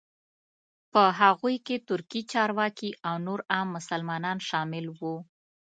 په هغوی کې ترکي چارواکي او نور عام مسلمانان شامل وو.